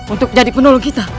untuk jadi penolong kita